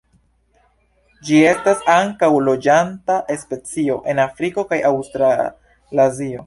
Ĝi estas ankaŭ loĝanta specio en Afriko kaj Aŭstralazio.